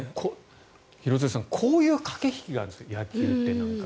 廣津留さん、こういう駆け引きがあるんです、野球って。